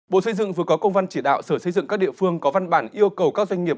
bộ xây dựng vừa có công văn chỉ đạo sở xây dựng các địa phương có văn bản yêu cầu các doanh nghiệp